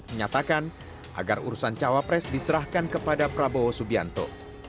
menyatakan agar urusan cawapres diserahkan kepada prabowo subianto